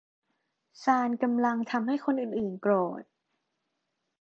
ซาลกำลังทำให้คนอื่น ๆ โกรธ